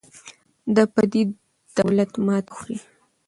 دا پردی دولت ماتې خوري.